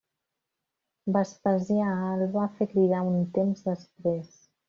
Vespasià el va fer cridar un temps després.